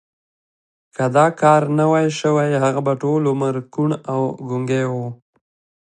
که دا کار نه وای شوی هغه به ټول عمر کوڼ او ګونګی و